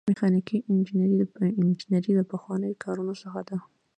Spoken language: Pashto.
میخانیکي انجنیری د انجنیری له پخوانیو کارونو څخه ده.